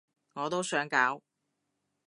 我都想搞